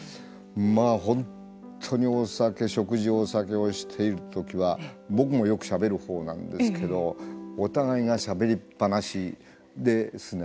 まあ本当にお酒食事、お酒をしているときは僕もよくしゃべるほうなんですけどお互いがしゃべりっ放しですね。